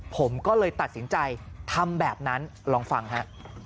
ผมก็เลยตัดสินใจทำแบบนั้นลองฟังฮะ